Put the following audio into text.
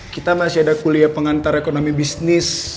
kita masih ada kuliah pengantar ekonomi bisnis